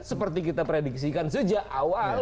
seperti kita prediksikan sejak awal